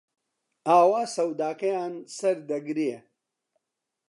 ئاوا سەوداکەیان سەردەگرێ